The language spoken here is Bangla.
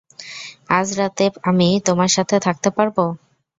আজ রাতে আমি তোমার সাথে থাকতে পারবো?